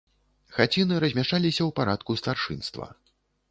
Хаціны размяшчаліся ў парадку старшынства.